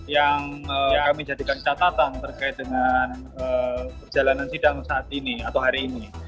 yang kami jadikan catatan terkait dengan perjalanan sidang saat ini atau hari ini